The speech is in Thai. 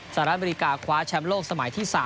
สหรัฐอเมริกาคว้าแชมป์โลกสมัยที่๓